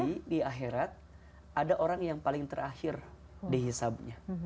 nanti di akhirat ada orang yang paling terakhir dihisapnya